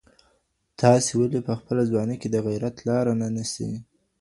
تاسي ولي په خپله ځواني کي د غیرت لاره نه نیسئ؟